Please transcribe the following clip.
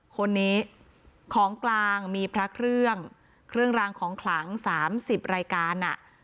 คนนี้ของกลางมีพระเครื่องเครื่องรางของขลัง๓๐รายการ